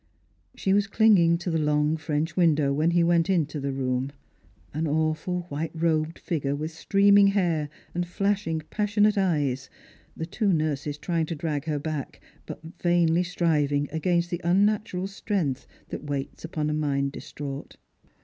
She was clinging to the long French window when he went into the room — an awful white robed figure with streaming hair and flashing passionate eyes, the two nurses trying to drag her back, but vainly striving against the unnatural strength that ■»vaits upon a mind distraught.